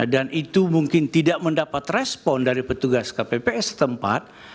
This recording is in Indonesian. dan itu mungkin tidak mendapat respon dari petugas kpps setempat